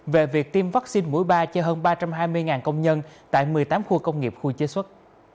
về việc tiêm vaccine mũi ba cho hơn ba trăm hai mươi công nhân tại một mươi tám khu công nghiệp khu chế xuất